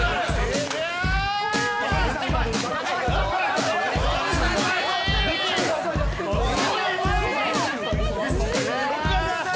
・すごい。